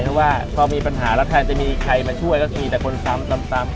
เพราะว่าพอมีปัญหาแล้วแทนจะมีใครมาช่วยก็มีแต่คนซ้ำ